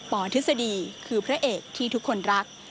ธฤษฎีคือพระเอกที่ทุกคนรัก